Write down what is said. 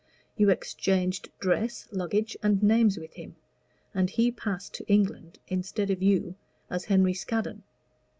You exchanged dress, luggage, and names with him, and he passed to England instead of you as Henry Scaddon.